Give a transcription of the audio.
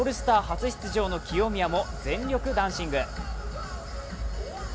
初出場の清宮も全力ダンシング。